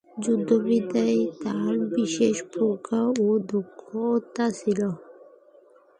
যুদ্ধবিদ্যায় তার বিশেষ প্রজ্ঞা ও দক্ষতা ছিল।